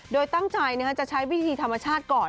โดยตั้งใจจะใช้วิธีธรรมชาติก่อน